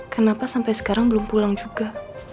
kenapa sampai sekarang belum pulang juga